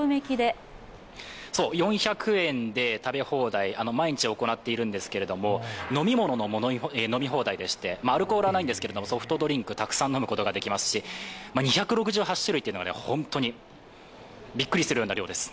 ４００円で食べ放題、毎日行っているんですけれども飲み物も飲み放題でしてアルコールはないんですけどもソフトドリンクをたくさん飲むことができますけど２６８種類というのが本当にびっくりするような量です。